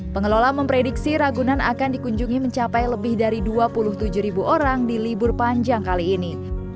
pengelola memprediksi ragunan akan dikunjungi mencapai lebih dari dua puluh tujuh ribu orang di libur panjang kali ini